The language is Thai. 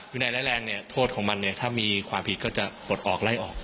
วินัยร้ายแรงเนี่ยโทษของมันเนี่ยถ้ามีความผิดก็จะปลดออกไล่ออก